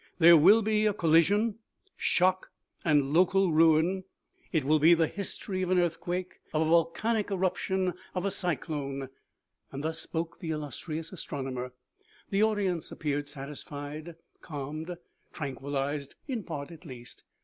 There will be a col lision, shock, and local ruin. It will be the history of OMEGA. 49 an earthquake, of a volcanic eruption, of a cyclone." Thus spoke the illustrious astronomer. The audience appeared satisfied, calmed, tranquillized in part, at least.